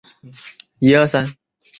该物种受栖息地破坏威胁。